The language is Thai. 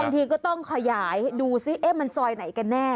ทีก็ต้องขยายดูซิมันซอยไหนกันแน่